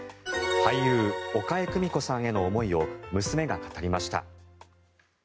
俳優・岡江久美子さんへの思いを娘が語りました。